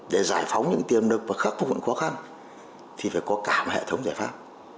để giải phóng những tiềm lực và khắc phục những khó khăn thì phải có cả một hệ thống giải pháp